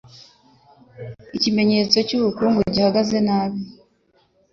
ikimenyetso cy'ubukungu buhagaze nabi.